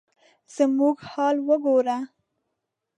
زموږ حال وګوره ؟